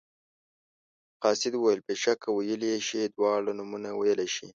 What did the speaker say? قاصد وویل بېشکه ویلی شي دواړه نومه ویلی شي.